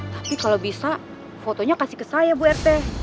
tapi kalau bisa fotonya kasih ke saya bu rt